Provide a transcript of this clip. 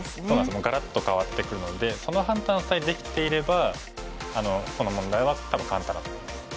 もうがらっと変わってくるのでその判断さえできていればこの問題は多分簡単だと思います。